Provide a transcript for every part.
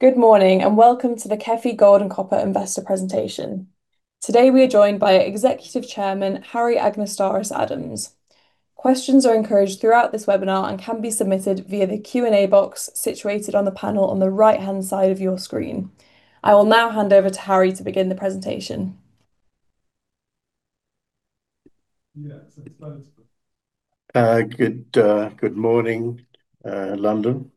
Good morning and welcome to the KEFI Gold and Copper investor presentation. Today we are joined by Executive Chairman, Harry Anagnostaras-Adams. Questions are encouraged throughout this webinar and can be submitted via the Q&A box situated on the panel on the right-hand side of your screen. I will now hand over to Harry to begin the presentation. Yeah. It's loads but. Good morning, London.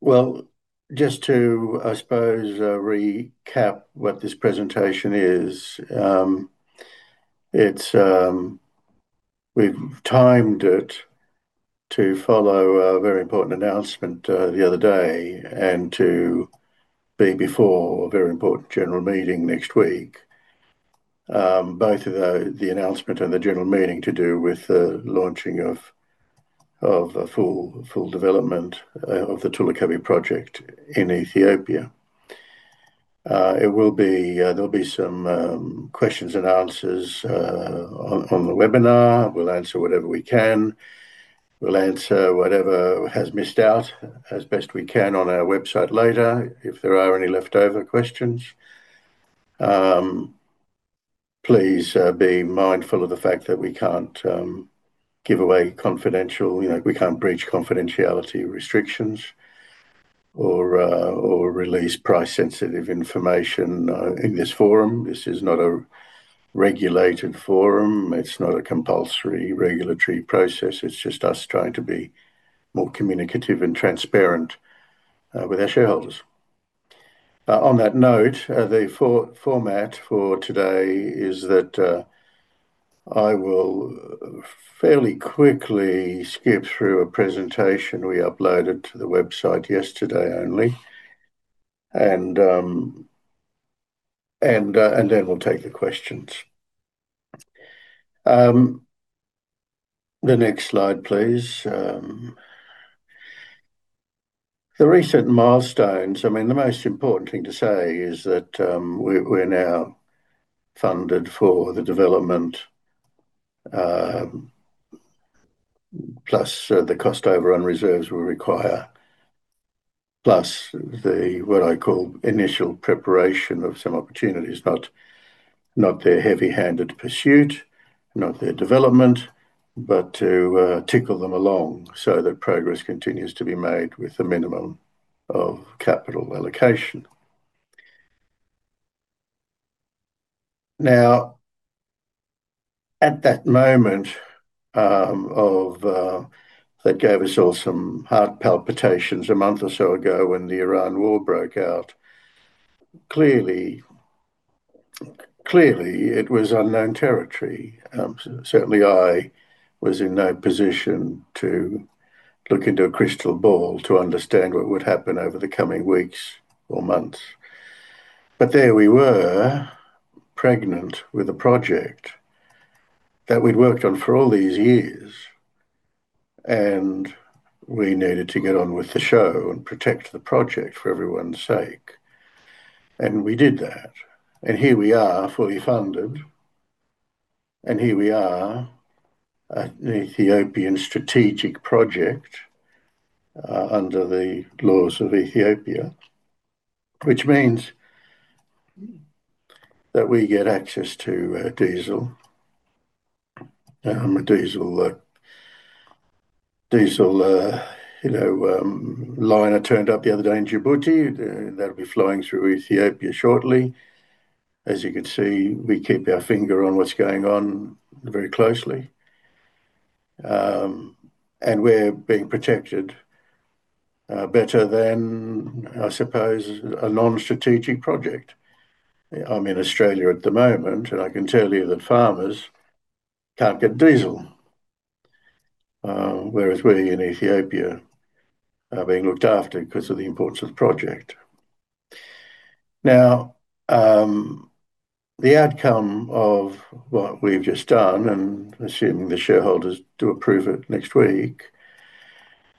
Well, just to, I suppose, recap what this presentation is. We've timed it to follow a very important announcement the other day and to be before a very important general meeting next week. Both the announcement and the general meeting to do with the launching of a full development of the Tulu Kapi project in Ethiopia. There'll be some questions and answers on the webinar. We'll answer whatever we can. We'll answer whatever has missed out as best we can on our website later, if there are any leftover questions. Please be mindful of the fact that we can't give away confidential, we can't breach confidentiality restrictions or release price-sensitive information in this forum. This is not a regulated forum. It's not a compulsory regulatory process. It's just us trying to be more communicative and transparent with our shareholders. On that note, the format for today is that I will fairly quickly skip through a presentation we uploaded to the website yesterday only, and then we'll take the questions. The next slide, please. The recent milestones. I mean, the most important thing to say is that we're now funded for the development, plus the cost overrun reserves we require, plus the, what I call, initial preparation of some opportunities, not their heavy-handed pursuit, not their development, but to tickle them along so that progress continues to be made with the minimum of capital allocation. Now, at that moment that gave us all some heart palpitations a month or so ago when the Iran war broke out, clearly it was unknown territory. Certainly, I was in no position to look into a crystal ball to understand what would happen over the coming weeks or months. There we were, pregnant with a project that we'd worked on for all these years, and we needed to get on with the show and protect the project for everyone's sake, and we did that. Here we are, fully funded, and here we are at the Ethiopian strategic project, under the laws of Ethiopia. Which means that we get access to diesel. A diesel, you know, light turned up the other day in Djibouti. That'll be flowing through Ethiopia shortly. As you can see, we keep our finger on what's going on very closely. We're being protected better than, I suppose, a non-strategic project. I'm in Australia at the moment, and I can tell you that farmers can't get diesel. Whereas we in Ethiopia are being looked after because of the importance of the project. Now, the outcome of what we've just done, and assuming the shareholders do approve it next week,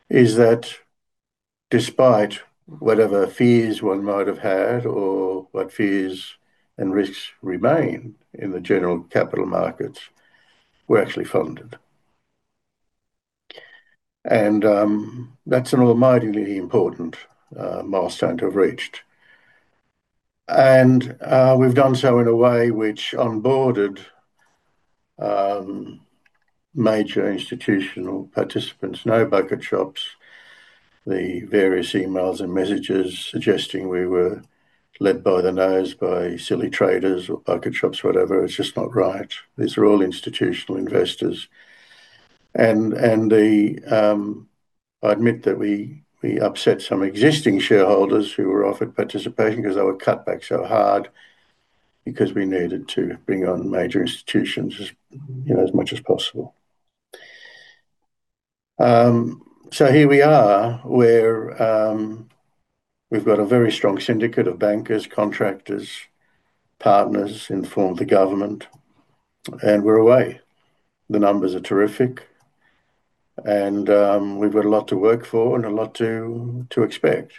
is that despite whatever fears one might have had or what fears and risks remain in the general capital markets, we're actually funded. That's an almighty important milestone to have reached. We've done so in a way which onboarded major institutional participants. No bucket shops. The various emails and messages suggesting we were led by the nose by silly traders or bucket shops, whatever, it's just not right. These are all institutional investors. I admit that we upset some existing shareholders who were offered participation because they were cut back so hard because we needed to bring on major institutions as much as possible. Here we are, where we've got a very strong syndicate of bankers, contractors, partners in the form of the government, and we're away. The numbers are terrific, and we've got a lot to work for and a lot to expect.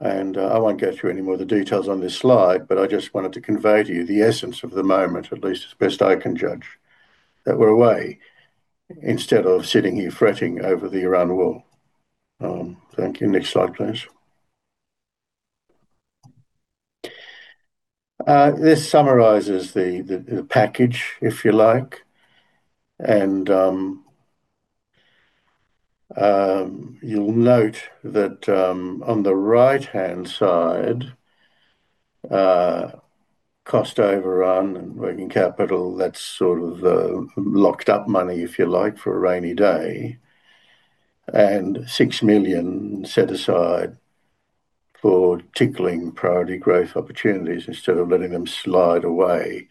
I won't go through any more of the details on this slide, but I just wanted to convey to you the essence of the moment, at least as best I can judge, that we're away instead of sitting here fretting over the Iran war. Thank you. Next slide, please. This summarizes the package, if you like. You'll note that on the right-hand side, cost overrun and working capital, that's sort of the locked-up money, if you like, for a rainy day. $6 million set aside for tickling priority growth opportunities instead of letting them slide away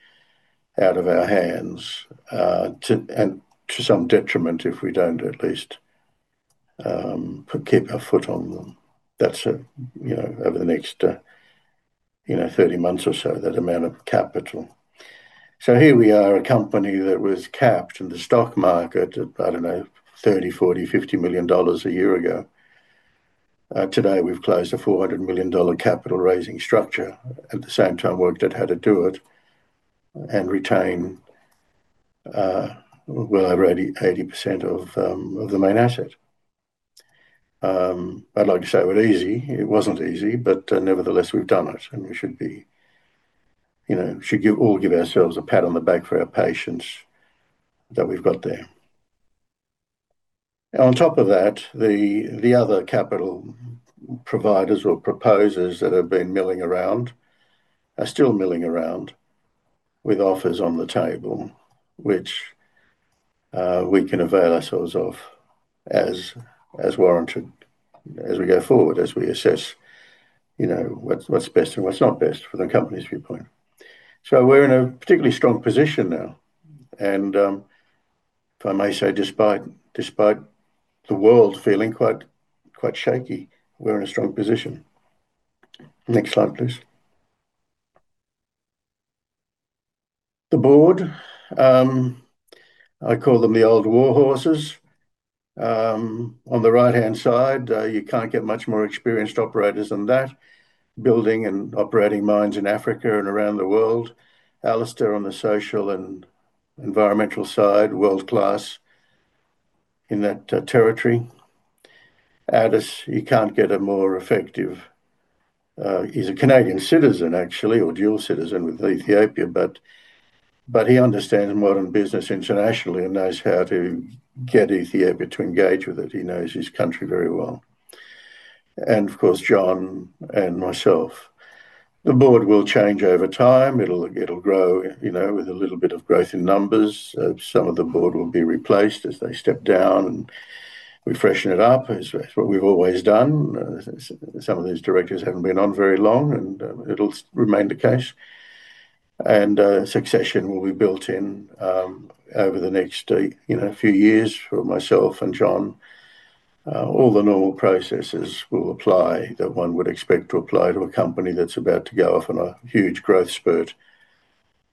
out of our hands, and to some detriment if we don't at least keep our foot on them. That's over the next 30 months or so, that amount of capital. Here we are, a company that was capped in the stock market at, I don't know, $30 million, $40 million, $50 million a year ago. Today, we've closed a $400 million capital-raising structure. At the same time, we've worked out how to do it and retain well over 80% of the main asset. I'd like to say it was easy. It wasn't easy, but nevertheless, we've done it, and we should all give ourselves a pat on the back for our patience that we've got there. On top of that, the other capital providers or proposers that have been milling around are still milling around with offers on the table, which we can avail ourselves of as warranted as we go forward, as we assess what's best and what's not best for the company's viewpoint. We're in a particularly strong position now. If I may say, despite the world feeling quite shaky, we're in a strong position. Next slide, please. The board, I call them the old war horses. On the right-hand side, you can't get much more experienced operators than that, building and operating mines in Africa and around the world. Alistair on the social and environmental side, world-class in that territory. Addis, you can't get a more effective. He's a Canadian citizen, actually, or dual citizen with Ethiopia, but he understands modern business internationally and knows how to get Ethiopia to engage with it. He knows his country very well. Of course, John and myself. The board will change over time. It'll grow with a little bit of growth in numbers. Some of the board will be replaced as they step down, and we freshen it up. It's what we've always done. Some of these directors haven't been on very long, and it'll remain the case. Succession will be built in over the next few years for myself and John. All the normal processes will apply that one would expect to apply to a company that's about to go off on a huge growth spurt.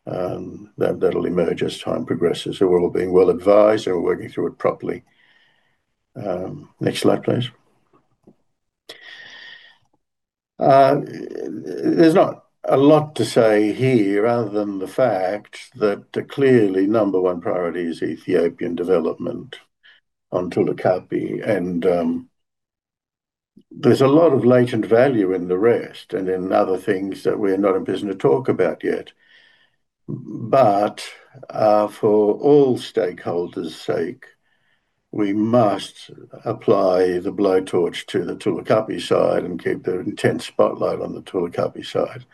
That'll emerge as time progresses, so we're all being well-advised and we're working through it properly. Next slide, please. There's not a lot to say here other than the fact that clearly number one priority is Ethiopian development on Tulu Kapi. There's a lot of latent value in the rest and in other things that we're not in a position to talk about yet. For all stakeholders' sake, we must apply the blowtorch to the Tulu Kapi side and keep the intense spotlight on the Tulu Kapi side.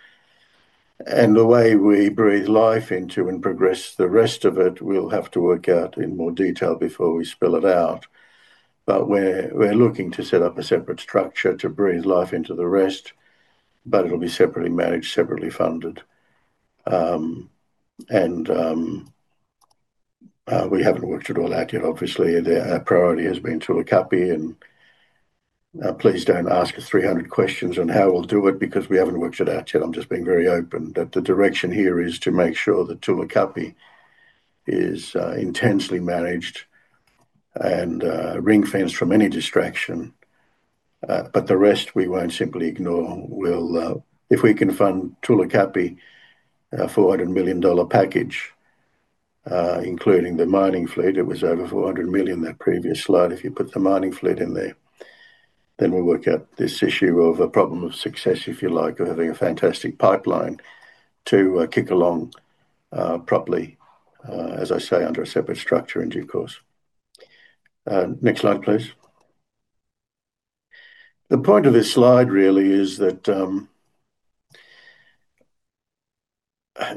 The way we breathe life into and progress the rest of it, we'll have to work out in more detail before we spell it out. We're looking to set up a separate structure to breathe life into the rest, but it'll be separately managed, separately funded. We haven't worked it all out yet. Obviously, our priority has been Tulu Kapi, and please don't ask us 300 questions on how we'll do it because we haven't worked it out yet. I'm just being very open that the direction here is to make sure that Tulu Kapi is intensely managed and ring-fenced from any distraction. The rest we won't simply ignore. If we can fund Tulu Kapi a $400 million package, including the mining fleet, it was over $400 million that previous slide, if you put the mining fleet in there, then we work out this issue of a problem of success, if you like, of having a fantastic pipeline to kick along properly, as I say, under a separate structure in due course. Next slide, please. The point of this slide really is that,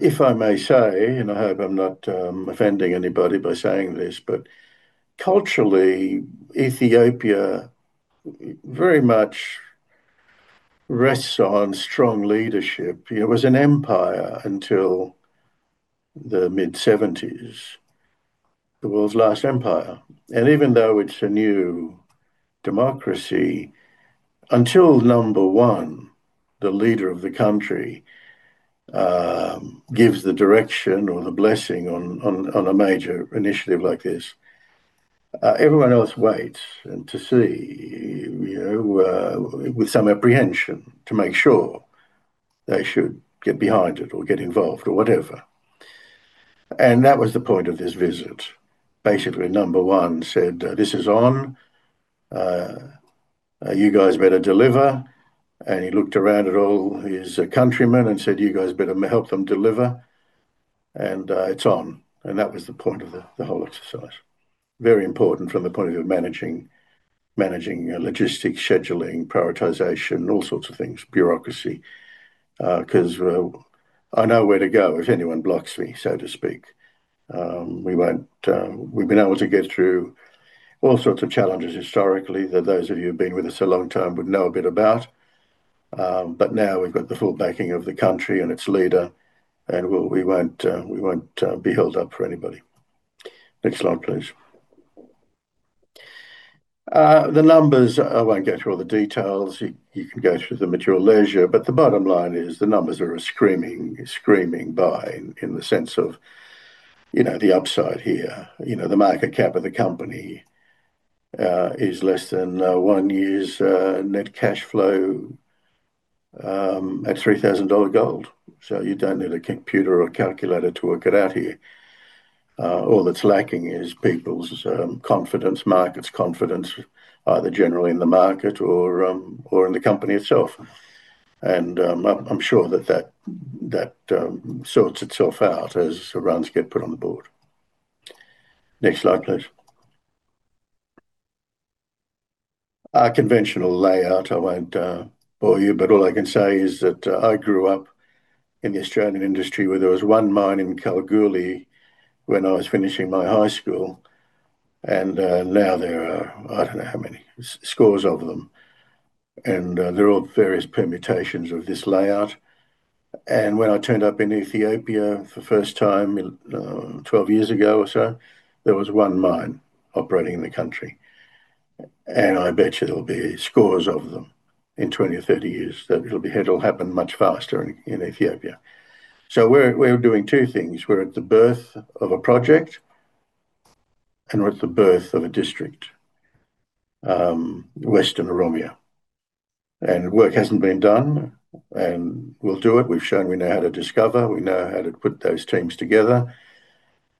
if I may say, and I hope I'm not offending anybody by saying this, but culturally, Ethiopia very much rests on strong leadership. It was an empire until the mid-1970s, the world's last empire. Even though it's a new democracy, until number one, the leader of the country, gives the direction or the blessing on a major initiative like this. Everyone else waits to see, with some apprehension, to make sure they should get behind it or get involved or whatever. That was the point of this visit. Basically, number one said, "This is on. You guys better deliver." He looked around at all his countrymen and said, "You guys better help them deliver, and it's on." That was the point of the whole exercise. Very important from the point of view of managing logistics, scheduling, prioritization, all sorts of things, bureaucracy, because I know where to go if anyone blocks me, so to speak. We've been able to get through all sorts of challenges historically that those of you who've been with us a long time would know a bit about. Now we've got the full backing of the country and its leader, and we won't be held up for anybody. Next slide, please. The numbers, I won't go through all the details. You can go through them at your leisure. The bottom line is the numbers are a screaming buy in the sense of the upside here. The market cap of the company is less than one year's net cashflow at $3,000 gold. So you don't need a computer or calculator to work it out here. All that's lacking is people's confidence, markets confidence, either generally in the market or in the company itself. I'm sure that sorts itself out as runs get put on the board. Next slide, please. Our conventional layout, I won't bore you, but all I can say is that I grew up in the Australian industry where there was one mine in Kalgoorlie when I was finishing my high school, and now there are, I don't know how many, scores of them. They're all various permutations of this layout. When I turned up in Ethiopia for the first time 12 years ago or so, there was one mine operating in the country. I bet you there'll be scores of them in 20 or 30 years. It'll happen much faster in Ethiopia. We're doing two things. We're at the birth of a project, and we're at the birth of a district, Western Oromia. Work hasn't been done, and we'll do it. We've shown we know how to discover, we know how to put those teams together,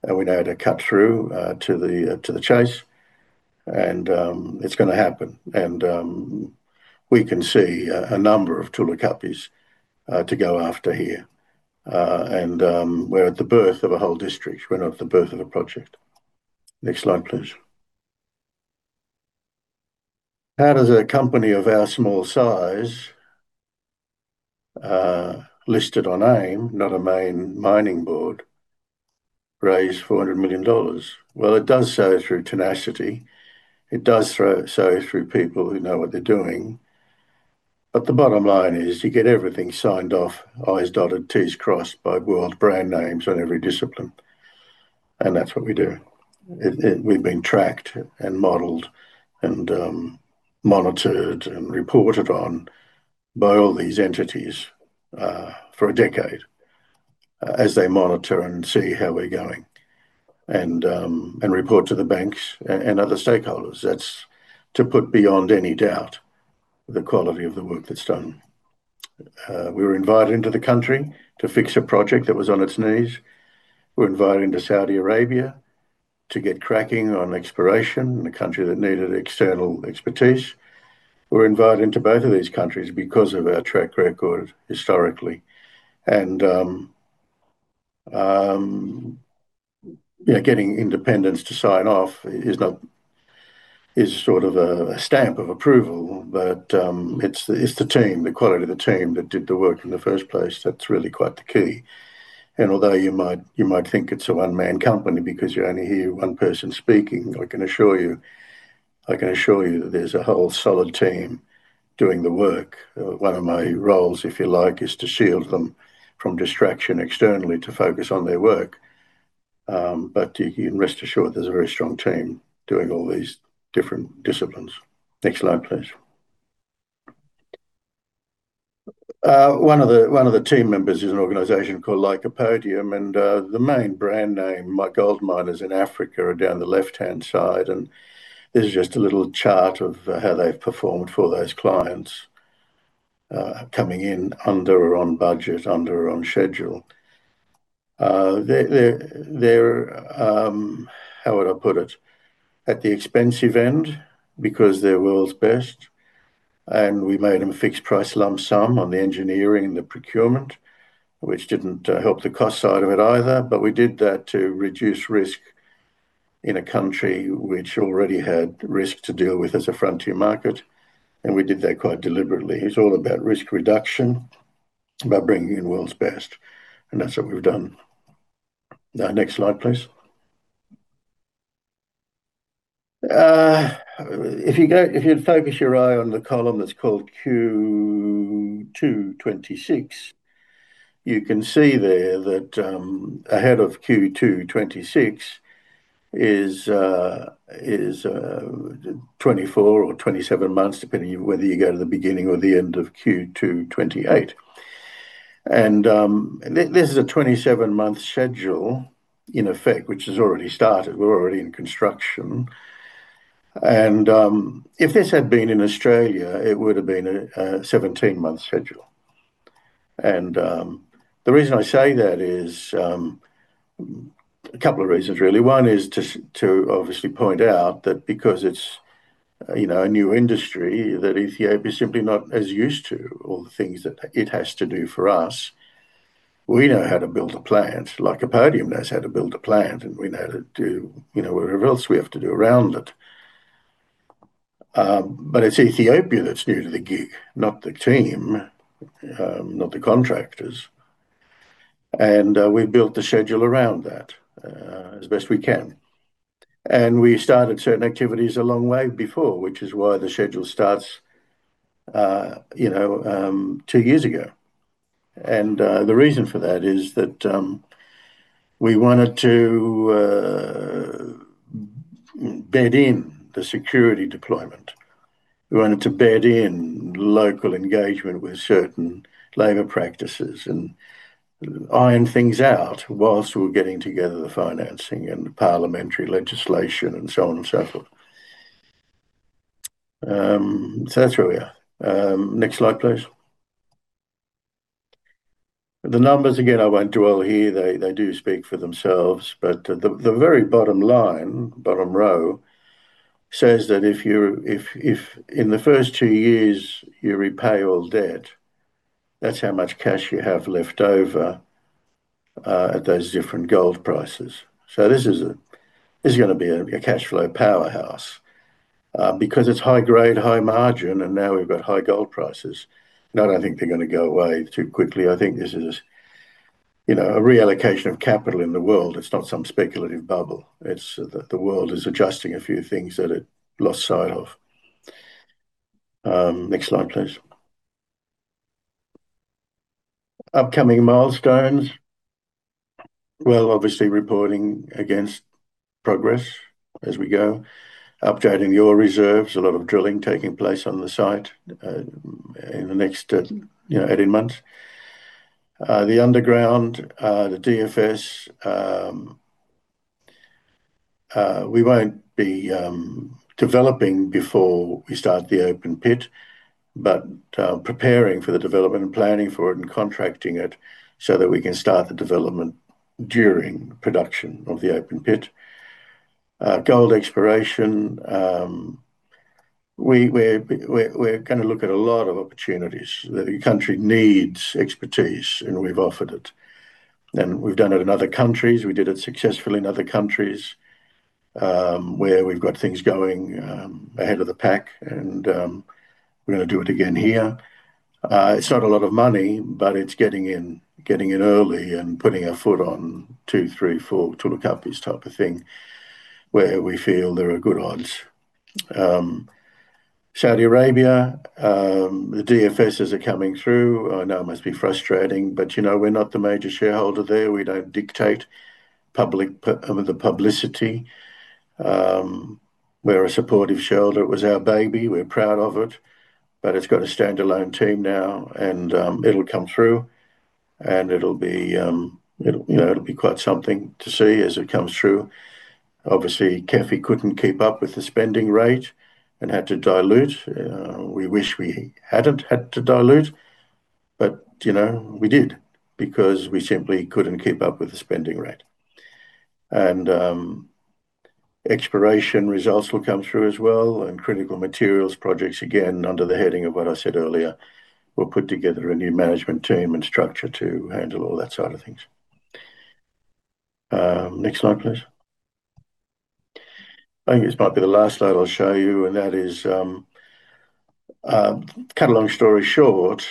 and we know how to cut through to the chase. It's going to happen. We can see a number of Tulu Kapi to go after here. We're at the birth of a whole district. We're not at the birth of a project. Next slide, please. How does a company of our small size, listed on AIM, not a main mining board, raise $400 million? Well, it does so through tenacity. It does so through people who know what they're doing. The bottom line is you get everything signed off, I's dotted, T's crossed, by world brand names on every discipline. That's what we do. We've been tracked and modeled and monitored and reported on by all these entities for a decade as they monitor and see how we're going, and report to the banks and other stakeholders. That's to put beyond any doubt the quality of the work that's done. We were invited into the country to fix a project that was on its knees. We were invited into Saudi Arabia to get cracking on exploration in a country that needed external expertise. We were invited into both of these countries because of our track record historically. Getting independents to sign off is sort of a stamp of approval, but it's the team, the quality of the team that did the work in the first place that's really quite the key. Although you might think it's a one-man company because you only hear one person speaking, I can assure you that there's a whole solid team doing the work. One of my roles, if you like, is to shield them from distraction externally to focus on their work. You can rest assured there's a very strong team doing all these different disciplines. Next slide, please. One of the team members is an organization called Lycopodium, and the main brand name, gold miners in Africa, are down the left-hand side. This is just a little chart of how they've performed for those clients, coming in under or on budget, under or on schedule. They're, how would I put it? At the expensive end because they're world's best, and we made them fixed price lump sum on the engineering and the procurement, which didn't help the cost side of it either. We did that to reduce risk in a country which already had risk to deal with as a frontier market, and we did that quite deliberately. It's all about risk reduction, about bringing in world's best, and that's what we've done. Next slide, please. If you'd focus your eye on the column that's called Q2 2026, you can see there that ahead of Q2 2026 is 24 or 27 months, depending whether you go to the beginning or the end of Q2 2028. This is a 27-month schedule in effect, which has already started. We're already in construction. If this had been in Australia, it would have been a 17-month schedule. The reason I say that is a couple of reasons really. One is to obviously point out that because it's a new industry, that Ethiopia is simply not as used to all the things that it has to do for us. We know how to build a plant, like Lycopodium knows how to build a plant, and we know how to do whatever else we have to do around it. It's Ethiopia that's new to the gig, not the team, not the contractors. We've built the schedule around that as best we can. We started certain activities a long way before, which is why the schedule starts two years ago. The reason for that is that we wanted to bed in the security deployment. We wanted to bed in local engagement with certain labor practices and iron things out while we were getting together the financing and the parliamentary legislation and so on and so forth. That's where we are. Next slide, please. The numbers, again, I won't dwell here. They do speak for themselves, but the very bottom line, bottom row, says that if in the first two years you repay all debt, that's how much cash you have left over at those different gold prices. This is going to be a cashflow powerhouse. Because it's high grade, high margin, and now we've got high gold prices. I don't think they're going to go away too quickly. I think this is a reallocation of capital in the world. It's not some speculative bubble. It's that the world is adjusting a few things that it lost sight of. Next slide, please. Upcoming milestones. Well, obviously, reporting against progress as we go. Updating your reserves, a lot of drilling taking place on the site in the next 18 months. The underground, the DFS, we won't be developing before we start the open pit, but preparing for the development and planning for it and contracting it so that we can start the development during production of the open pit. Gold exploration, we're going to look at a lot of opportunities. The country needs expertise, and we've offered it. We've done it in other countries. We did it successfully in other countries, where we've got things going ahead of the pack and we're going to do it again here. It's not a lot of money, but it's getting in early and putting a foot on two, three, four Tulu Kapi's type of thing, where we feel there are good odds. Saudi Arabia, the DFSs are coming through. I know it must be frustrating, but we're not the major shareholder there. We don't dictate the publicity. We're a supportive shareholder. It was our baby. We're proud of it. But it's got a standalone team now, and it'll come through, and it'll be quite something to see as it comes through. Obviously, KEFI couldn't keep up with the spending rate and had to dilute. We wish we hadn't had to dilute, but we did because we simply couldn't keep up with the spending rate. Exploration results will come through as well, and critical materials projects, again, under the heading of what I said earlier. We'll put together a new management team and structure to handle all that side of things. Next slide, please. I think this might be the last slide I'll show you, and that is, cut a long story short,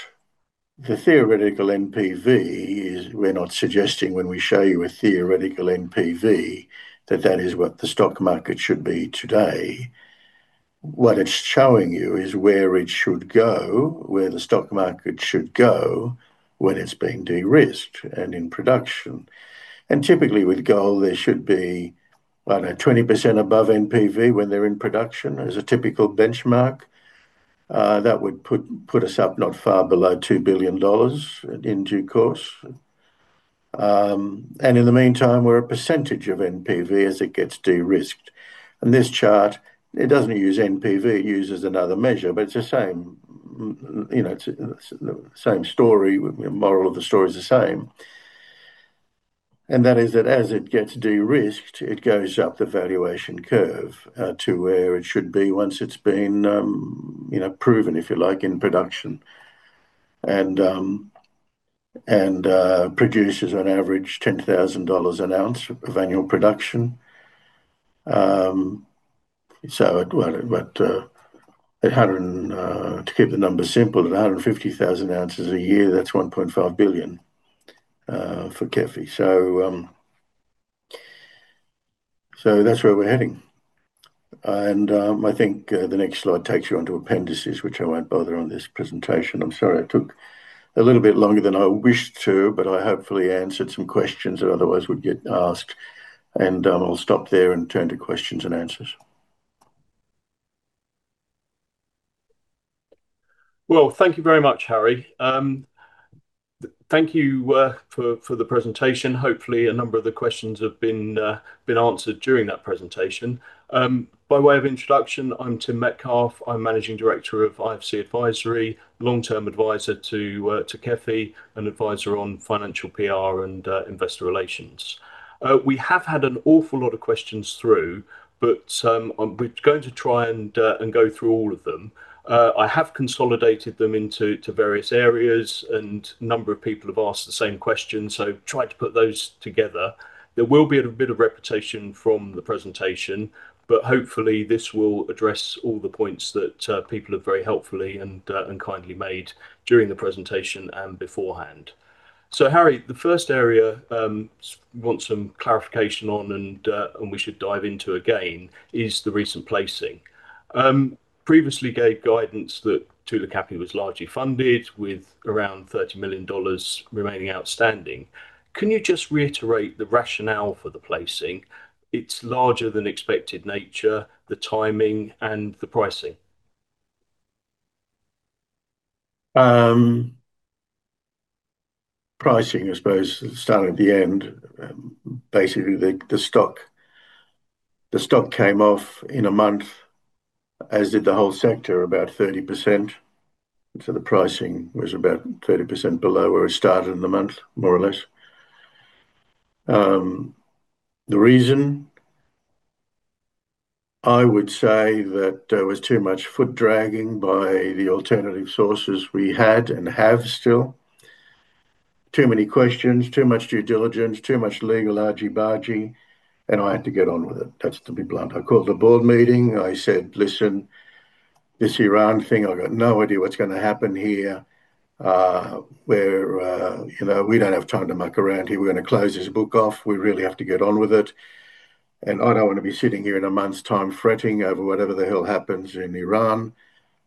the theoretical NPV is, we're not suggesting when we show you a theoretical NPV, that that is what the stock market should be today. What it's showing you is where it should go, where the stock market should go when it's been de-risked and in production. Typically with gold, there should be, I don't know, 20% above NPV when they're in production as a typical benchmark. That would put us up not far below $2 billion in due course. In the meantime, we're a percentage of NPV as it gets de-risked. This chart, it doesn't use NPV, it uses another measure, but it's the same story. The moral of the story is the same. That is that as it gets de-risked, it goes up the valuation curve to where it should be once it's been proven, if you like, in production and produces an average $10,000 an ounce of annual production. To keep the numbers simple, at 150,000 oz a year, that's $1.5 billion for KEFI. That's where we're heading. I think the next slide takes you onto appendices, which I won't bother on this presentation. I'm sorry I took a little bit longer than I wished to, but I hopefully answered some questions that otherwise would get asked. I'll stop there and turn to questions and answers. Well, thank you very much, Harry. Thank you for the presentation. Hopefully, a number of the questions have been answered during that presentation. By way of introduction, I'm Tim Metcalfe. I'm Managing Director of IFC Advisory, long-term advisor to KEFI, and advisor on financial PR and investor relations. We have had an awful lot of questions through, but we're going to try and go through all of them. I have consolidated them into various areas, and a number of people have asked the same question, so I tried to put those together. There will be a bit of repetition from the presentation, but hopefully, this will address all the points that people have very helpfully and kindly made during the presentation and beforehand. Harry, the first area I want some clarification on, and we should dive into again, is the recent placing. Previously gave guidance that Tulu Kapi was largely funded with around $30 million remaining outstanding. Can you just reiterate the rationale for the placing, its larger than expected nature, the timing, and the pricing? Pricing, I suppose, starting at the end. Basically, the stock came off in a month, as did the whole sector, about 30%. The pricing was about 30% below where it started in the month, more or less. The reason, I would say that there was too much foot-dragging by the alternative sources we had and have still. Too many questions, too much due diligence, too much legal argy-bargy, and I had to get on with it. That's to be blunt. I called a board meeting. I said, "Listen, this Iran thing, I've got no idea what's going to happen here. We don't have time to muck around here. We're going to close this book off. We really have to get on with it, and I don't want to be sitting here in a month's time fretting over whatever the hell happens in Iran.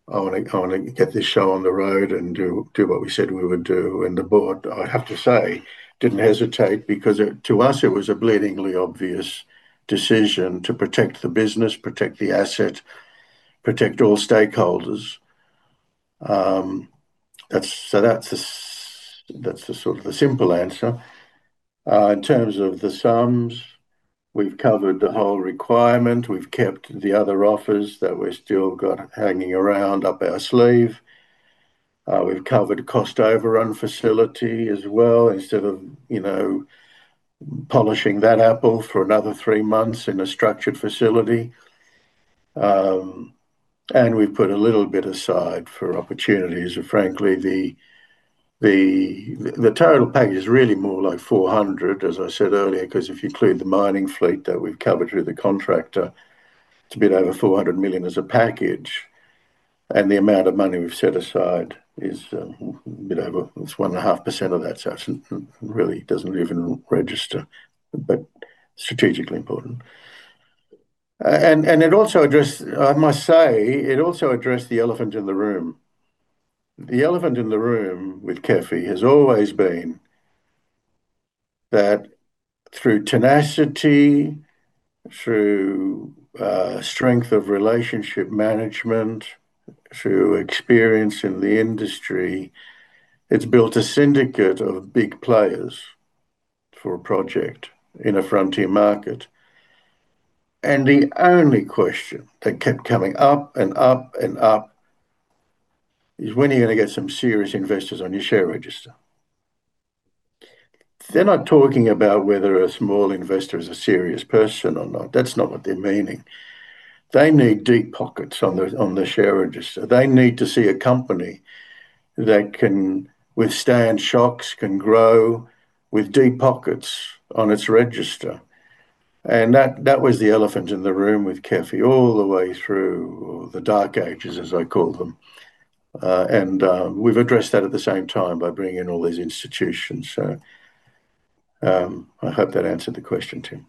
I want to get this show on the road and do what we said we would do." The board, I have to say, didn't hesitate because to us it was a bleedingly obvious decision to protect the business, protect the asset, protect all stakeholders. That's the sort of the simple answer. In terms of the sums, we've covered the whole requirement. We've kept the other offers that we've still got hanging around up our sleeve. We've covered cost overrun facility as well, instead of polishing that apple for another three months in a structured facility. We've put a little bit aside for opportunities. Frankly, the total package is really more like 400 million, as I said earlier, because if you include the mining fleet that we've covered with the contractor, it's a bit over 400 million as a package. The amount of money we've set aside is a bit over, it's 1.5% of that, so it really doesn't even register, but strategically important. It also addressed, I must say, it also addressed the elephant in the room. The elephant in the room with KEFI has always been that through tenacity, through strength of relationship management, through experience in the industry, it's built a syndicate of big players for a project in a frontier market. The only question that kept coming up and up and up is, when are you going to get some serious investors on your share register? They're not talking about whether a small investor is a serious person or not. That's not what they're meaning. They need deep pockets on the share register. They need to see a company that can withstand shocks, can grow with deep pockets on its register. That was the elephant in the room with KEFI all the way through the dark ages, as I call them. We've addressed that at the same time by bringing in all these institutions. I hope that answered the question, Tim.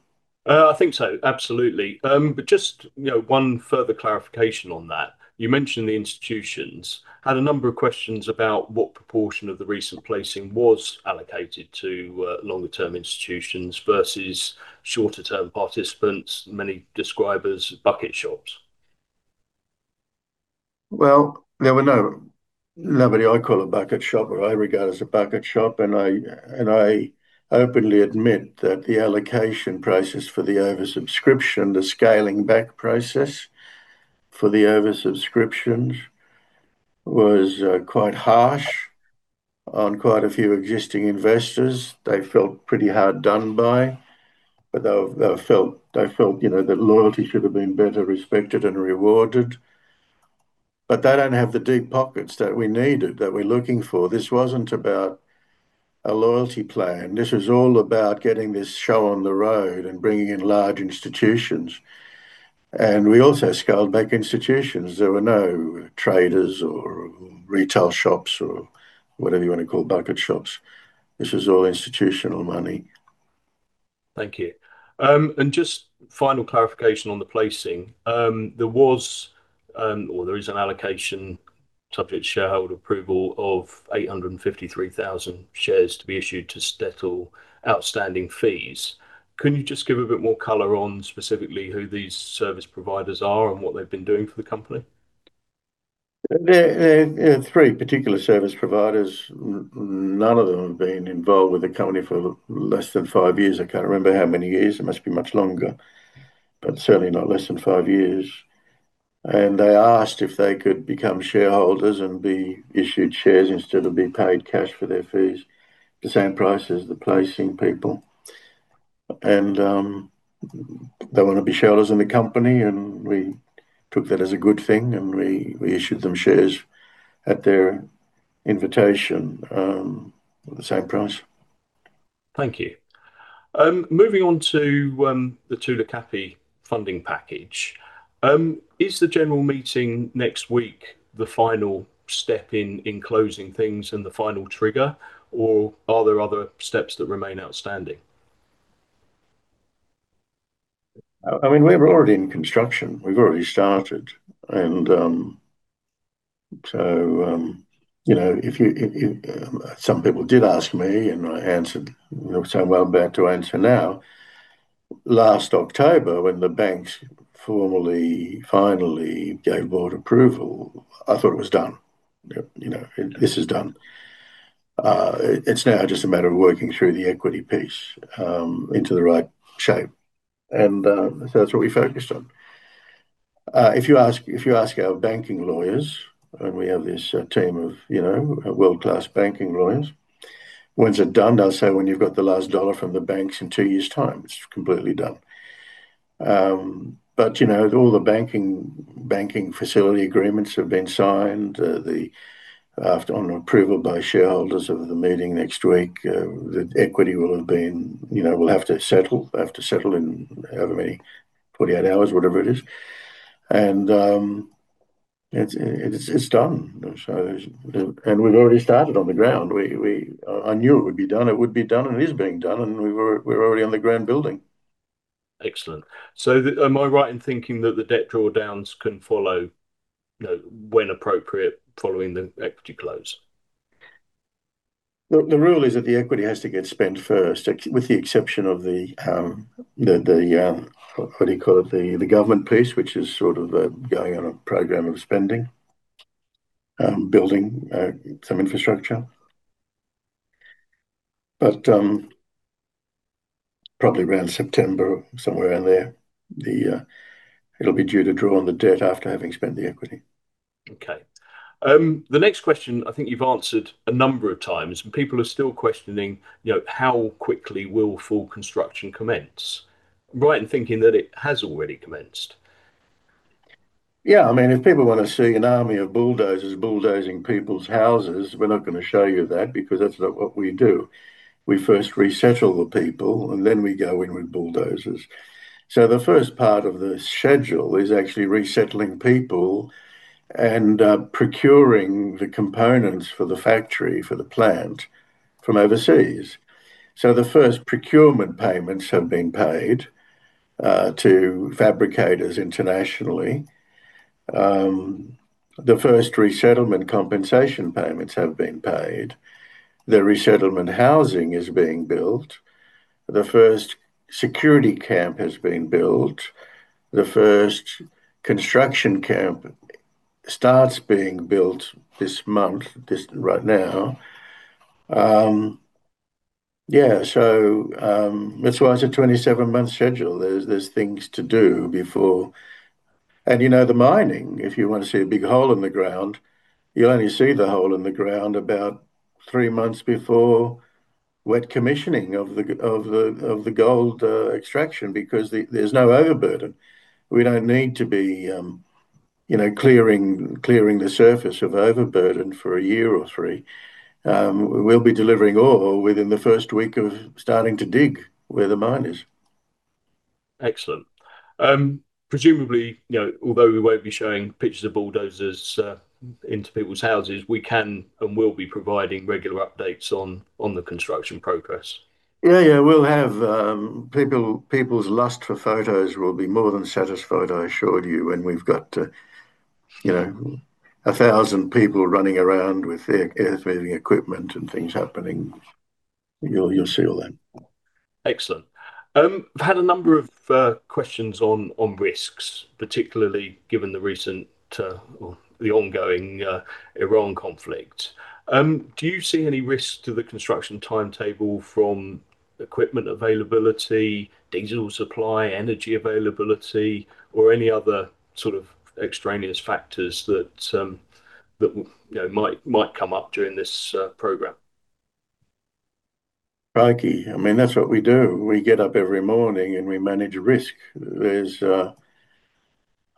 I think so. Absolutely. Just one further clarification on that. You mentioned the institutions. I had a number of questions about what proportion of the recent placing was allocated to longer-term institutions versus shorter-term participants, many described as bucket shops. Well, there were nobody I call a bucket shop or I regard as a bucket shop, and I openly admit that the allocation process for the oversubscription, the scaling back process for the oversubscriptions, was quite harsh on quite a few existing investors. They felt pretty hard done by, but they felt that loyalty should have been better respected and rewarded. They don't have the deep pockets that we needed, that we're looking for. This wasn't about a loyalty plan. This was all about getting this show on the road and bringing in large institutions. We also scaled back institutions. There were no traders or retail shops or whatever you want to call bucket shops. This was all institutional money. Thank you. Just final clarification on the placing. There was, or there is an allocation, subject to shareholder approval of 853,000 shares to be issued to settle outstanding fees. Can you just give a bit more color on specifically who these service providers are and what they've been doing for the company? There are three particular service providers. None of them have been involved with the company for less than five years. I can't remember how many years. It must be much longer, but certainly not less than five years. They asked if they could become shareholders and be issued shares instead of being paid cash for their fees, the same price as the placing people. They want to be shareholders in the company, and we took that as a good thing, and we issued them shares at their invitation at the same price. Thank you. Moving on to the Tulu Kapi funding package. Is the general meeting next week the final step in closing things and the final trigger, or are there other steps that remain outstanding? We're already in construction. We've already started. Some people did ask me, and I answered, so I'm about to answer now. Last October, when the banks formally finally gave board approval, I thought it was done. This is done. It's now just a matter of working through the equity piece into the right shape. That's what we focused on. If you ask our banking lawyers, and we have this team of world-class banking lawyers, when's it done? They'll say, "When you've got the last dollar from the banks in two years' time, it's completely done." All the banking facility agreements have been signed. On approval by shareholders of the meeting next week, the equity will have to settle in however many, 48 hours, whatever it is. It's done. We've already started on the ground. I knew it would be done, and it is being done, and we're already on the ground building. Excellent. Am I right in thinking that the debt drawdowns can follow, when appropriate, following the equity close? The rule is that the equity has to get spent first, with the exception of the, what do you call it? The government piece, which is sort of going on a program of spending, building some infrastructure. Probably around September, somewhere in there, it'll be due to draw on the debt after having spent the equity. Okay. The next question, I think you've answered a number of times, and people are still questioning, how quickly will full construction commence? Am I right in thinking that it has already commenced? Yeah. If people want to see an army of bulldozers bulldozing people's houses, we're not going to show you that because that's not what we do. We first resettle the people, and then we go in with bulldozers. The first part of the schedule is actually resettling people and procuring the components for the factory, for the plant from overseas. The first procurement payments have been paid to fabricators internationally. The first resettlement compensation payments have been paid. The resettlement housing is being built. The first security camp has been built. The first construction camp starts being built this month, right now. Yeah. That's why it's a 27-month schedule. There's things to do before. The mining, if you want to see a big hole in the ground, you only see the hole in the ground about three months before wet commissioning of the gold extraction because there's no overburden. We don't need to be clearing the surface of overburden for a year or three. We'll be delivering ore within the first week of starting to dig where the mine is. Excellent. Presumably, although we won't be showing pictures of bulldozers into people's houses, we can and will be providing regular updates on the construction progress. Yeah. People's lust for photos will be more than satisfied, I assure you, when we've got 1,000 people running around with their earth-moving equipment and things happening. You'll see all that. Excellent. I've had a number of questions on risks, particularly given the recent, or the ongoing, Iran conflict. Do you see any risk to the construction timetable from equipment availability, diesel supply, energy availability, or any other sort of extraneous factors that might come up during this program? Crikey. That's what we do. We get up every morning, and we manage risk.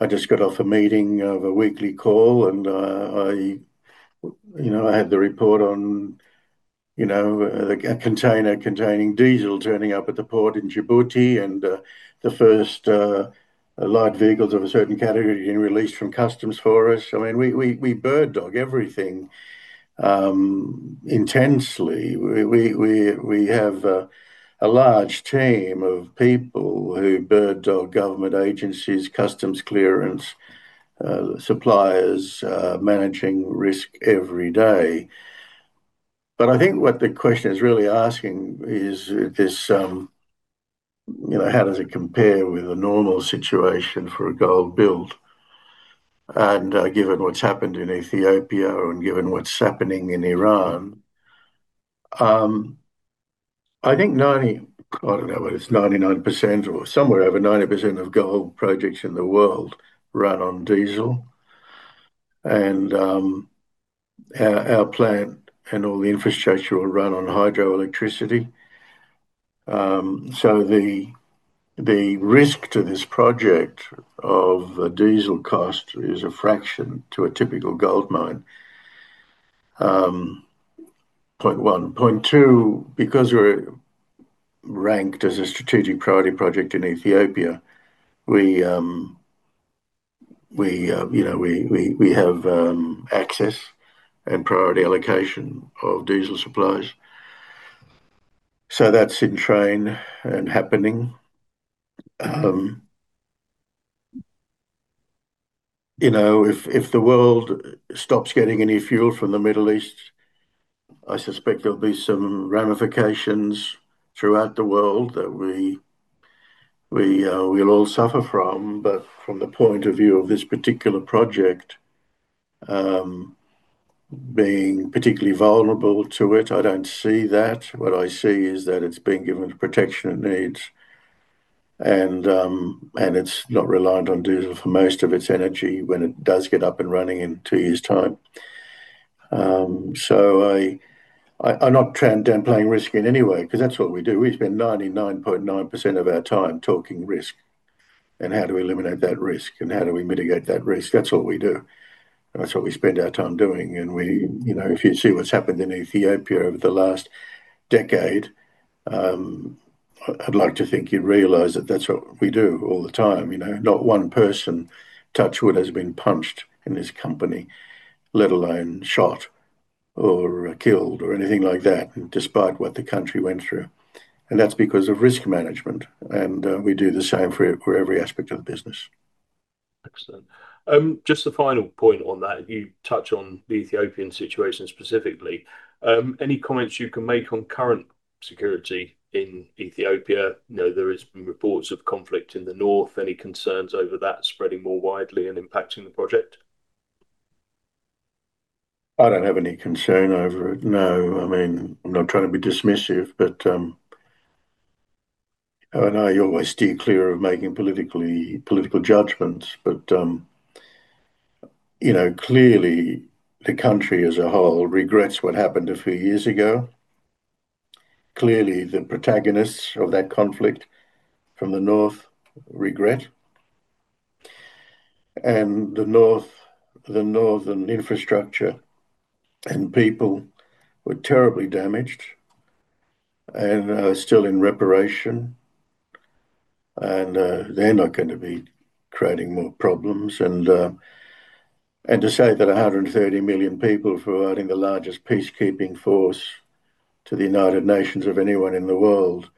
I just got off a meeting, of a weekly call, and I had the report on the container containing diesel turning up at the port in Djibouti and the first light vehicles of a certain category being released from customs for us. We bird dog everything intensely. We have a large team of people who bird dog government agencies, customs clearance, suppliers, managing risk every day. I think what the question is really asking is this, how does it compare with a normal situation for a gold build? Given what's happened in Ethiopia and given what's happening in Iran, I think 90%, I don't know whether it's 99% or somewhere over 90% of gold projects in the world run on diesel. Our plant and all the infrastructure will run on hydroelectricity. The risk to this project of a diesel cost is a fraction to a typical gold mine. Point one. Point two, because we're ranked as a strategic priority project in Ethiopia, we have access and priority allocation of diesel supplies. That's in train and happening. If the world stops getting any fuel from the Middle East, I suspect there'll be some ramifications throughout the world that we'll all suffer from. From the point of view of this particular project, being particularly vulnerable to it, I don't see that. What I see is that it's been given the protection it needs, and it's not reliant on diesel for most of its energy when it does get up and running in two years' time. I'm not downplaying risk in any way, because that's what we do. We spend 99.9% of our time talking risk and how do we eliminate that risk, and how do we mitigate that risk. That's what we do. That's what we spend our time doing, and if you see what's happened in Ethiopia over the last decade, I'd like to think you'd realize that that's what we do all the time. Not one person, touch wood, has been punched in this company, let alone shot or killed or anything like that, despite what the country went through. That's because of risk management, and we do the same for every aspect of the business. Excellent. Just the final point on that, you touch on the Ethiopian situation specifically. Any comments you can make on current security in Ethiopia? There has been reports of conflict in the north. Any concerns over that spreading more widely and impacting the project? I don't have any concern over it, no. I'm not trying to be dismissive, but I know you always steer clear of making political judgments. Clearly the country as a whole regrets what happened a few years ago. Clearly, the protagonists of that conflict from the North regret. The northern infrastructure and people were terribly damaged and are still in reparation. They're not going to be creating more problems. To say that 130 million people providing the largest peacekeeping force to the United Nations of anyone in the world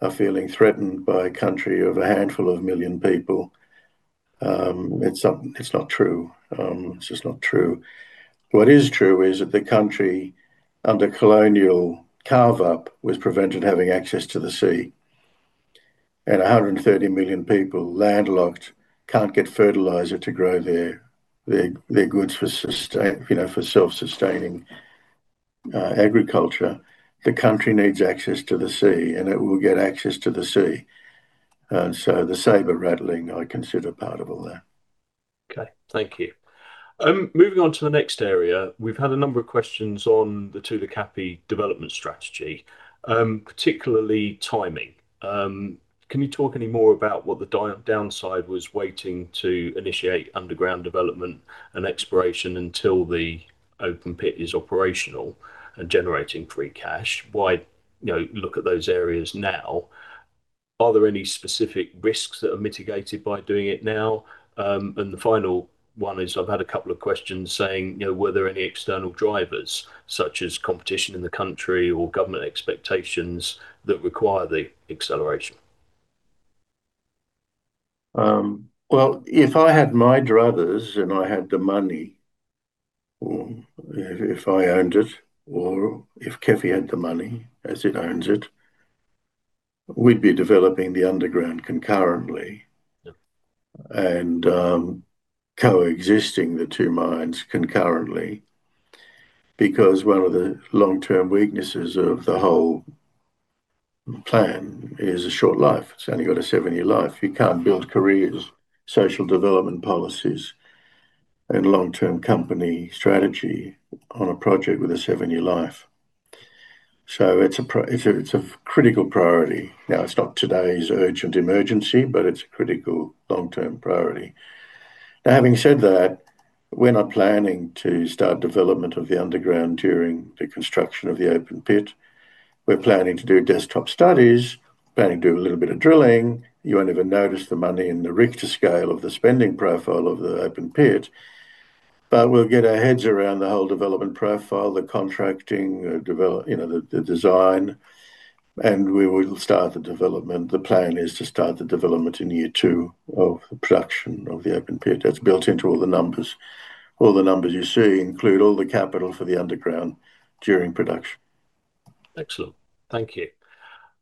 are feeling threatened by a country of a handful of million people, it's not true. It's just not true. What is true is that the country under colonial carve-up was prevented having access to the sea. 130 million people landlocked can't get fertilizer to grow their goods for self-sustaining agriculture. The country needs access to the sea, and it will get access to the sea. The saber-rattling I consider part of all that. Okay. Thank you. Moving on to the next area. We've had a number of questions on the Tulu Kapi development strategy, particularly timing. Can you talk any more about what the downside was waiting to initiate underground development and exploration until the open pit is operational and generating free cash? Why look at those areas now? Are there any specific risks that are mitigated by doing it now? The final one is, I've had a couple of questions saying, were there any external drivers such as competition in the country or government expectations that require the acceleration? Well, if I had my druthers and I had the money, or if I owned it, or if KEFI had the money as it owns it, we'd be developing the underground concurrently. Yep. Coexisting the two mines concurrently. Because one of the long-term weaknesses of the whole plan is a short life. It's only got a seven-year life. You can't build careers, social development policies, and long-term company strategy on a project with a seven-year life. It's a critical priority. Now, it's not today's urgent emergency, but it's a critical long-term priority. Now, having said that, we're not planning to start development of the underground during the construction of the open pit. We're planning to do desktop studies, a little bit of drilling. You won't even notice the money in the Richter scale of the spending profile of the open pit. But we'll get our heads around the whole development profile, the contracting, the design. We will start the development. The plan is to start the development in year two of the production of the open pit. That's built into all the numbers. All the numbers you see include all the capital for the underground during production. Excellent. Thank you.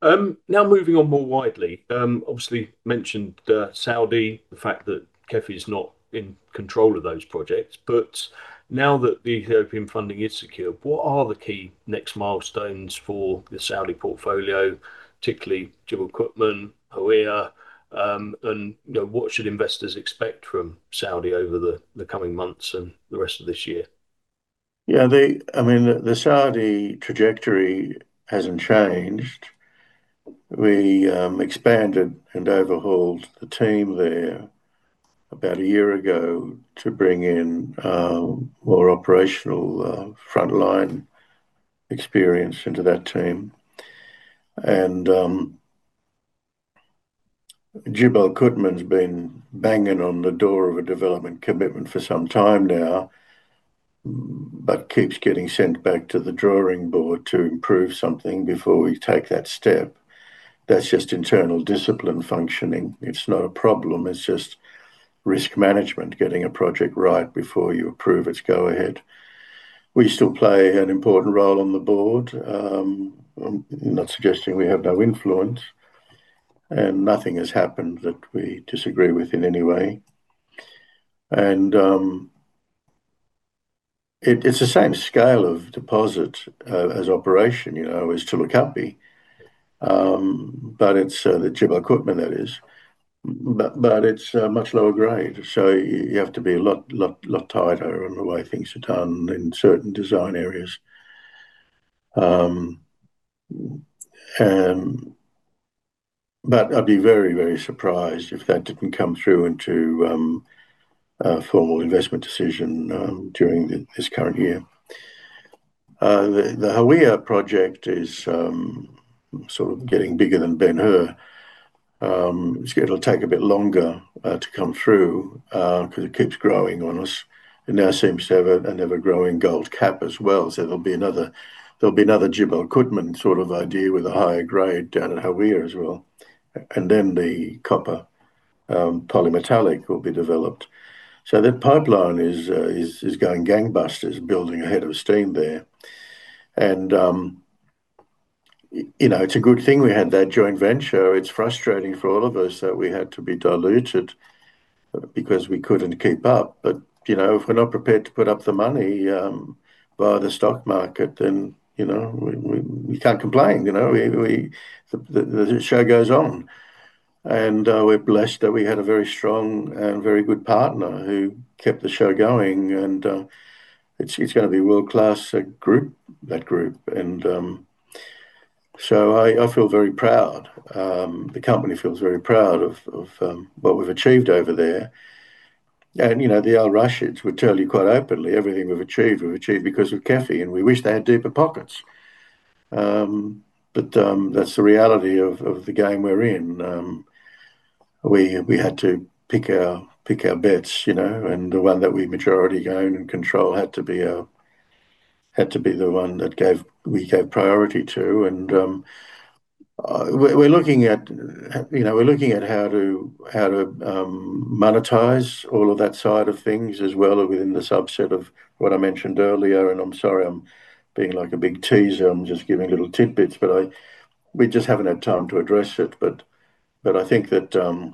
Now moving on more widely. Obviously, mentioned Saudi, the fact that KEFI's not in control of those projects. But now that the Ethiopian funding is secure, what are the key next milestones for the Saudi portfolio, particularly Jibal Qutman, Hawiah, and what should investors expect from Saudi over the coming months and the rest of this year? Yeah. The Saudi trajectory hasn't changed. We expanded and overhauled the team there about a year ago to bring in more operational frontline experience into that team. Jibal Qutman's been banging on the door of a development commitment for some time now, but keeps getting sent back to the drawing board to improve something before we take that step. That's just internal discipline functioning. It's not a problem, it's just risk management, getting a project right before you approve its go-ahead. We still play an important role on the board. I'm not suggesting we have no influence, and nothing has happened that we disagree with in any way. It's the same scale of deposit as operation, as Tulu Kapi. But it's the Jibal Qutman, that is. It's a much lower grade, so you have to be a lot tighter on the way things are done in certain design areas. I'd be very, very surprised if that didn't come through into a formal investment decision during this current year. The Hawiah project is sort of getting bigger than Ben-Hur. It'll take a bit longer to come through, because it keeps growing on us, and now seems to have an ever-growing gold cap as well, so there'll be another Jibal Qutman sort of idea with a higher grade down at Hawiah as well. Then the copper polymetallic will be developed. That pipeline is going gangbusters, building a head of steam there. It's a good thing we had that joint venture. It's frustrating for all of us that we had to be diluted because we couldn't keep up. If we're not prepared to put up the money, via the stock market, then we can't complain. The show goes on. We're blessed that we had a very strong and very good partner who kept the show going and it's going to be world-class, that group. I feel very proud. The company feels very proud of what we've achieved over there. The Al-Rashids would tell you quite openly, everything we've achieved, we've achieved because of KEFI, and we wish they had deeper pockets. That's the reality of the game we're in. We had to pick our bets, and the one that we majority own and control had to be the one that we gave priority to and we're looking at how to monetize all of that side of things as well within the subset of what I mentioned earlier, and I'm sorry I'm being like a big teaser and I'm just giving little tidbits, but we just haven't had time to address it. I think that,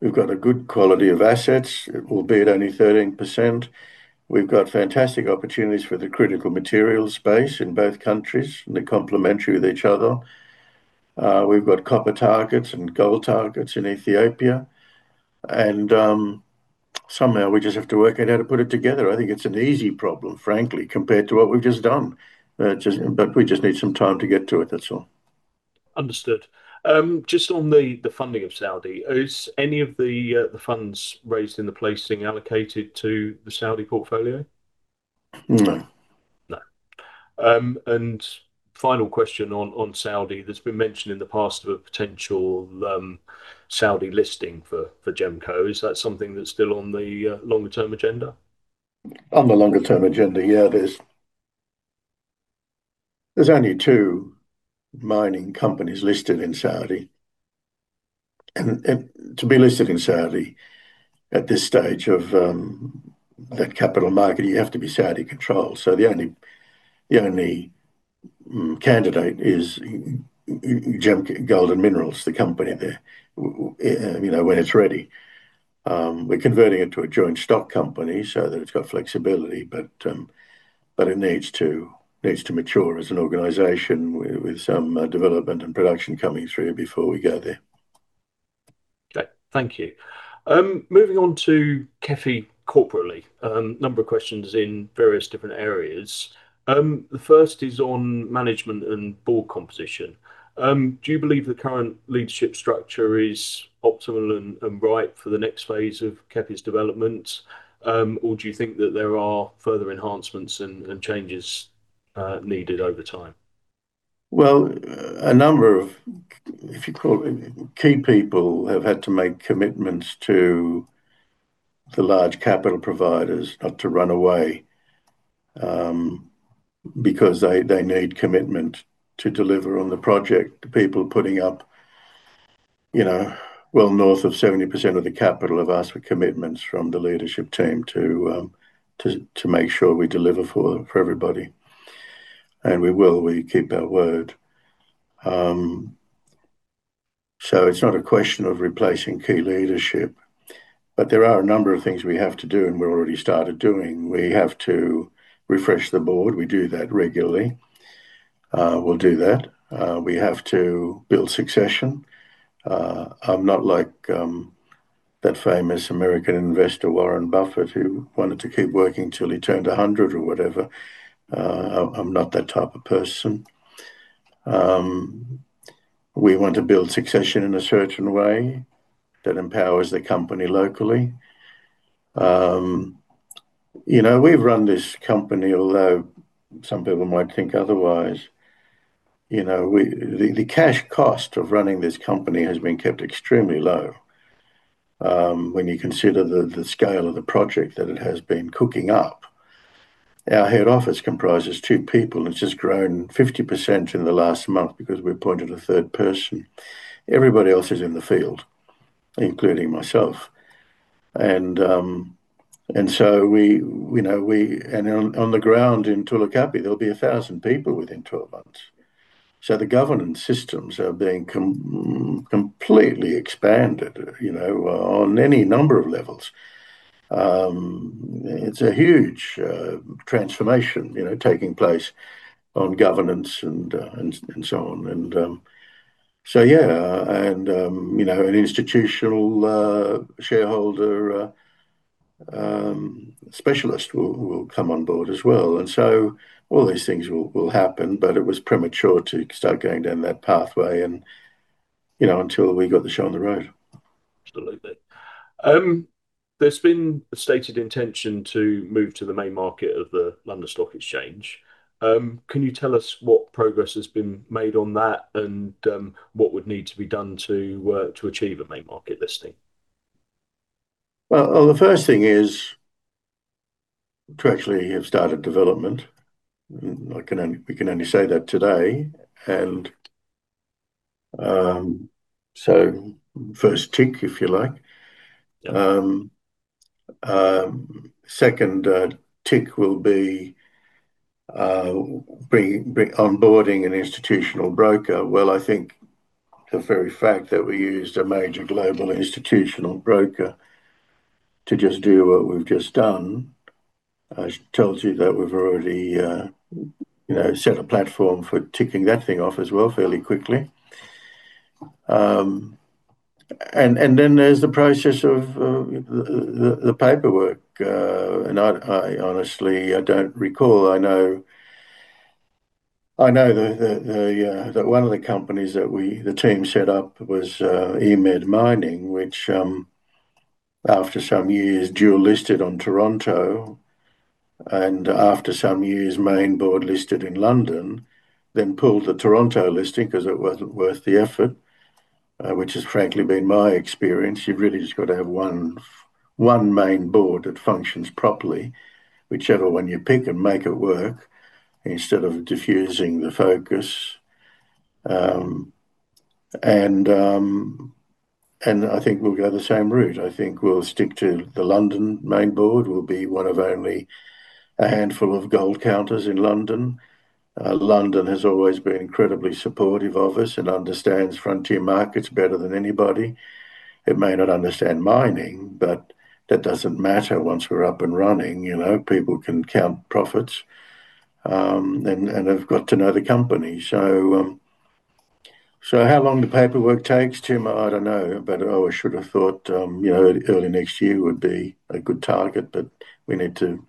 we've got a good quality of assets, albeit only 13%. We've got fantastic opportunities for the critical materials space in both countries, and they're complementary with each other. We've got copper targets and gold targets in Ethiopia. Somehow we just have to work out how to put it together. I think it's an easy problem, frankly, compared to what we've just done. We just need some time to get to it, that's all. Understood. Just on the funding of Saudi, is any of the funds raised in the placing allocated to the Saudi portfolio? No. No. Final question on Saudi. There's been mention in the past of a potential Saudi listing for GMCO. Is that something that's still on the longer-term agenda? On the longer-term agenda, yeah, it is. There's only two mining companies listed in Saudi. To be listed in Saudi at this stage of that capital market, you have to be Saudi-controlled. The only candidate is Gold and Minerals, the company there, when it's ready. We're converting it to a joint stock company so that it's got flexibility, but it needs to mature as an organization with some development and production coming through before we go there. Okay. Thank you. Moving on to KEFI corporately. A number of questions in various different areas. The first is on management and board composition. Do you believe the current leadership structure is optimal and right for the next phase of KEFI's development? Or do you think that there are further enhancements and changes needed over time? Well, if you call it, key people have had to make commitments to the large capital providers not to run away, because they need commitment to deliver on the project. The people putting up well north of 70% of the capital have asked for commitments from the leadership team to make sure we deliver for everybody. We will. We keep our word. It's not a question of replacing key leadership, but there are a number of things we have to do and we've already started doing. We have to refresh the board. We do that regularly. We'll do that. We have to build succession. I'm not like that famous American investor, Warren Buffett, who wanted to keep working till he turned 100 or whatever. I'm not that type of person. We want to build succession in a certain way that empowers the company locally. We've run this company, although some people might think otherwise. The cash cost of running this company has been kept extremely low, when you consider the scale of the project that it has been cooking up. Our head office comprises two people, and it's just grown 50% in the last month because we appointed a third person. Everybody else is in the field, including myself. On the ground in Tulu Kapi, there'll be 1,000 people within 12 months. The governance systems are being completely expanded on any number of levels. It's a huge transformation taking place on governance and so on. Yeah, an institutional shareholder specialist will come on board as well, and so all these things will happen. It was premature to start going down that pathway until we got the show on the road. Absolutely. There's been a stated intention to move to the main market of the London Stock Exchange. Can you tell us what progress has been made on that and what would need to be done to achieve a main market listing? Well, the first thing is to actually have started development. We can only say that today, and so first tick, if you like. Second tick will be onboarding an institutional broker. Well, I think the very fact that we used a major global institutional broker to just do what we've just done tells you that we've already set a platform for ticking that thing off as well fairly quickly. Then there's the process of the paperwork, and I honestly, I don't recall. I know that one of the companies that the team set up was EMED Mining, which after some years, dual listed on Toronto. After some years, main board listed in London, then pulled the Toronto listing because it wasn't worth the effort, which has frankly been my experience. You've really just got to have one main board that functions properly, whichever one you pick, and make it work instead of diffusing the focus. I think we'll go the same route. I think we'll stick to the London main board. We'll be one of only a handful of gold counters in London. London has always been incredibly supportive of us and understands frontier markets better than anybody. It may not understand mining, but that doesn't matter once we're up and running. People can count profits, and they've got to know the company. How long the paperwork takes, Tim, I don't know. I should have thought early next year would be a good target, but we need to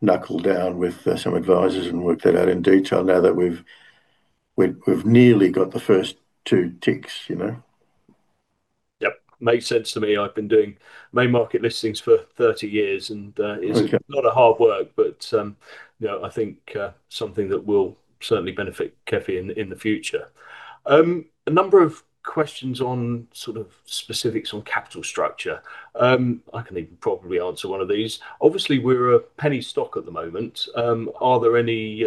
knuckle down with some advisors and work that out in detail now that we've nearly got the first two ticks. Yep. Makes sense to me. I've been doing main market listings for 30 years. Okay. It's a lot of hard work, but I think something that will certainly benefit KEFI in the future. A number of questions on sort of specifics on capital structure. I can even probably answer one of these. Obviously, we're a penny stock at the moment. Are there any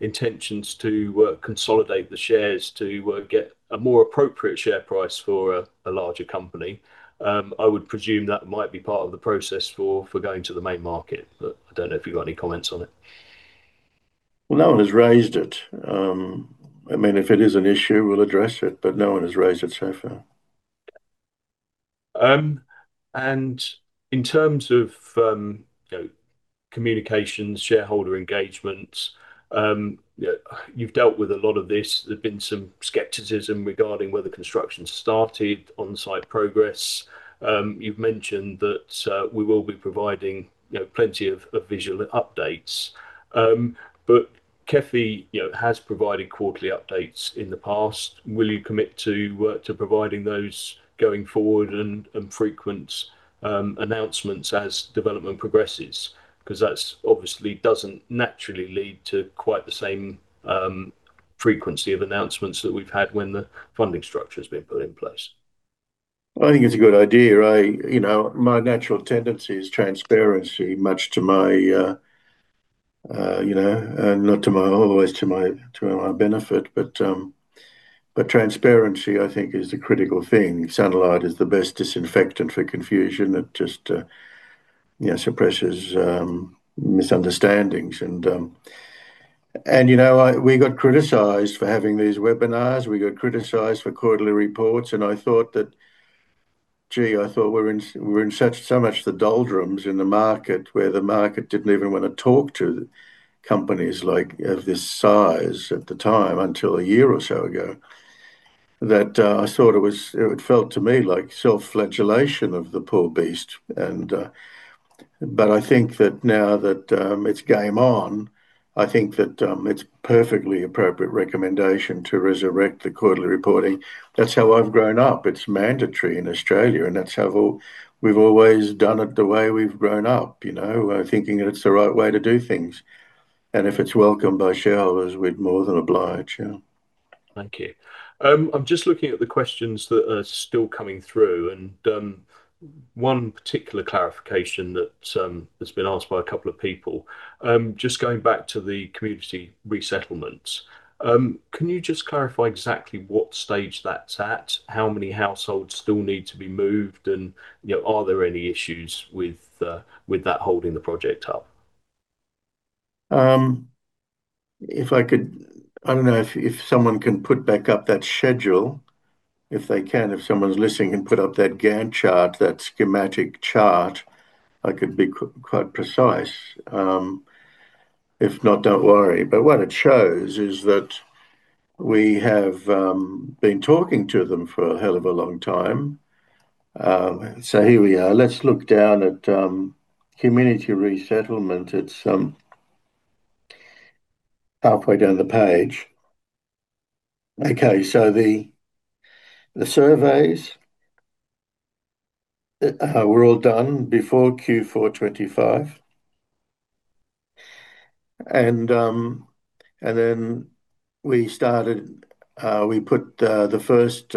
intentions to consolidate the shares to get a more appropriate share price for a larger company? I would presume that might be part of the process for going to the main market, but I don't know if you've got any comments on it. Well, no one has raised it. If it is an issue, we'll address it, but no one has raised it so far. In terms of communications, shareholder engagements, you've dealt with a lot of this. There's been some skepticism regarding whether construction's started, on-site progress. You've mentioned that we will be providing plenty of visual updates. KEFI has provided quarterly updates in the past. Will you commit to providing those going forward and frequent announcements as development progresses? Because that obviously doesn't naturally lead to quite the same frequency of announcements that we've had when the funding structure has been put in place. I think it's a good idea. My natural tendency is transparency, much to my not always to my benefit, but transparency, I think, is the critical thing. Sunlight is the best disinfectant for confusion. It just suppresses misunderstandings. We got criticized for having these webinars. We got criticized for quarterly reports, and I thought that, "Gee," "We're in so much the doldrums in the market," where the market didn't even want to talk to companies of this size at the time until a year or so ago. That I thought it felt to me like self-flagellation of the poor beast. I think that now that it's game on, I think that it's perfectly appropriate recommendation to resurrect the quarterly reporting. That's how I've grown up. It's mandatory in Australia, and that's how we've always done it the way we've grown up, thinking that it's the right way to do things. If it's welcomed by shareholders, we'd more than oblige, yeah. Thank you. I'm just looking at the questions that are still coming through, and one particular clarification that has been asked by a couple of people. Just going back to the community resettlements. Can you just clarify exactly what stage that's at? How many households still need to be moved? And are there any issues with that holding the project up? If I could, I don't know if someone can put back up that schedule. If they can, if someone's listening and put up that Gantt chart, that schematic chart, I could be quite precise. If not, don't worry. What it shows is that we have been talking to them for a hell of a long time. Here we are. Let's look down at community resettlement. It's halfway down the page. Okay. The surveys were all done before Q4 2025. Then we put the first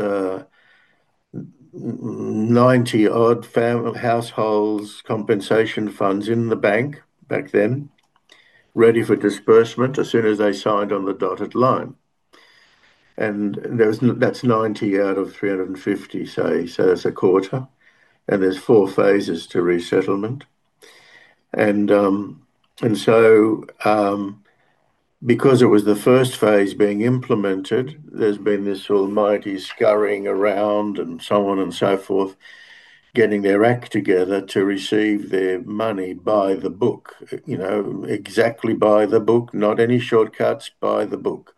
90-odd households' compensation funds in the bank back then, ready for disbursement as soon as they signed on the dotted line. That's 90 out of 350, say, so that's a quarter. There's four phases to resettlement. Because it was the first phase being implemented, there's been this almighty scurrying around and so on and so forth, getting their act together to receive their money by the book. Exactly by the book, not any shortcuts, by the book.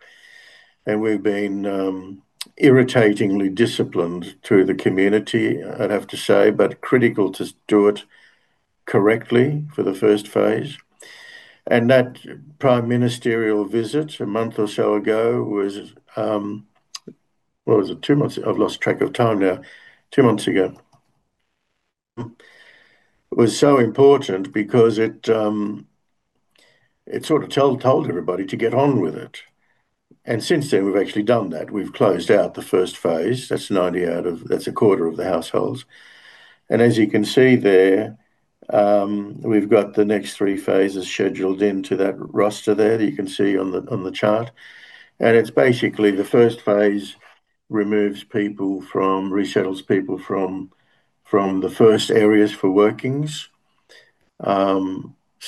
We've been irritatingly disciplined to the community, I'd have to say, but critical to do it correctly for the first phase. That Prime Ministerial visit a month or so ago was. What was it? Two months. I've lost track of time now. Two months ago. It was so important because it sort of told everybody to get on with it. Since then, we've actually done that. We've closed out the first phase. That's 90 out of. That's a quarter of the households. As you can see there, we've got the next three phases scheduled into that roster there that you can see on the chart. It's basically the first phase removes people from, resettles people from the first areas for workings.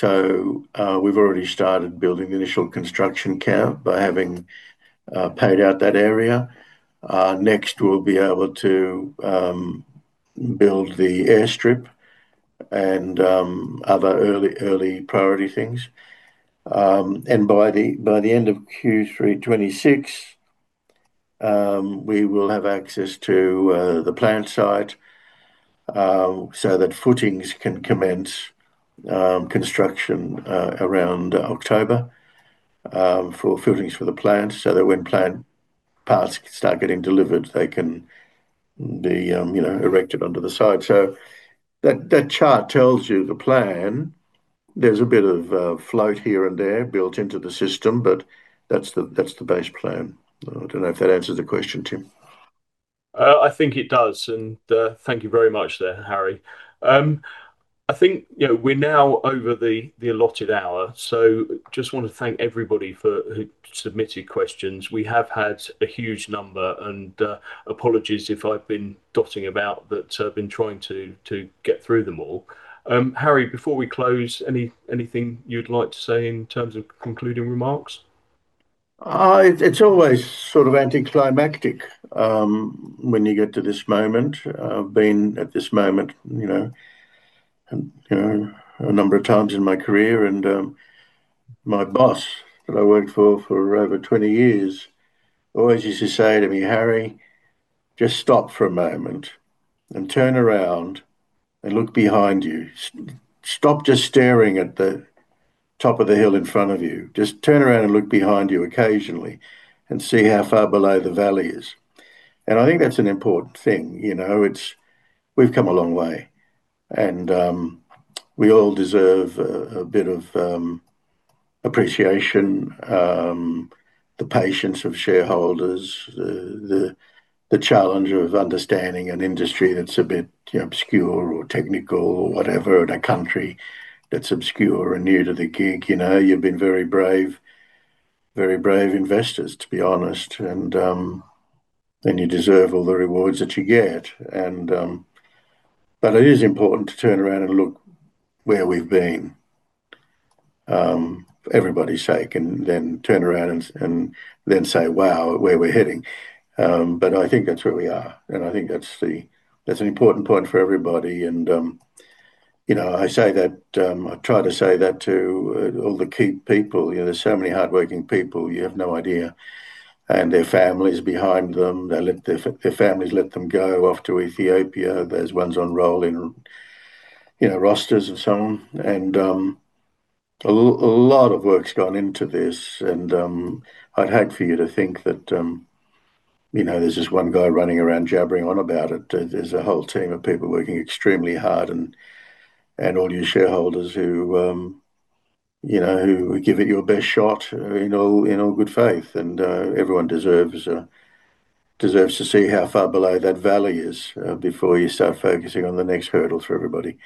We've already started building the initial construction camp by having paid out that area. Next, we'll be able to build the airstrip and other early priority things. By the end of Q3 2026, we will have access to the plant site, so that footings can commence construction around October for footings for the plant, so that when plant parts start getting delivered, they can be erected onto the site. That chart tells you the plan. There's a bit of float here and there built into the system, but that's the base plan. I don't know if that answers the question, Tim. I think it does, and thank you very much there, Harry. I think we're now over the allotted hour, so just want to thank everybody who submitted questions. We have had a huge number, and apologies if I've been dotting about, but I've been trying to get through them all. Harry, before we close, anything you'd like to say in terms of concluding remarks? It's always sort of anticlimactic when you get to this moment. I've been at this moment a number of times in my career. My boss that I worked for for over 20 years always used to say to me, "Harry, just stop for a moment and turn around and look behind you. Stop just staring at the top of the hill in front of you. Just turn around and look behind you occasionally and see how far below the valley is." I think that's an important thing. We've come a long way, and we all deserve a bit of appreciation. The patience of shareholders, the challenge of understanding an industry that's a bit obscure or technical or whatever in a country that's obscure and new to the gig. You've been very brave investors, to be honest, and you deserve all the rewards that you get, but it is important to turn around and look where we've been for everybody's sake, and then turn around and then say, "Wow, where we're heading." I think that's where we are. I think that's an important point for everybody. I try to say that to all the key people. There's so many hardworking people, you have no idea, their families behind them. Their families let them go off to Ethiopia. There's ones on rotation rosters and so on. A lot of work's gone into this. I'd hate for you to think that there's this one guy running around jabbering on about it. There's a whole team of people working extremely hard, and all you shareholders who give it your best shot in all good faith. Everyone deserves to see how far below that valley is before you start focusing on the next hurdle for everybody.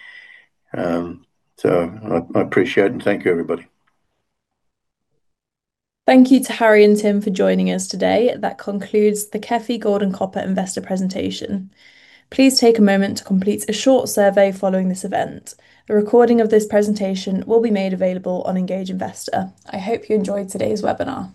I appreciate and thank you, everybody. Thank you to Harry and Tim for joining us today. That concludes the KEFI Gold and Copper investor presentation. Please take a moment to complete a short survey following this event. A recording of this presentation will be made available on Engage Investor. I hope you enjoyed today's webinar.